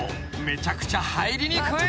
めちゃくちゃ入りにくい］